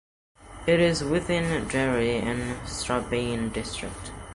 It is within Derry and Strabane district.